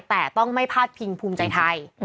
แต่ต้องไม่พาดพิงภูมิใจไทย